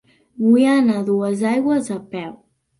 Vull anar a Duesaigües a peu.